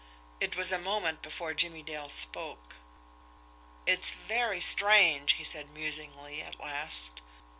It was a moment before Jimmie Dale spoke. "It's very strange!" he said musingly, at last.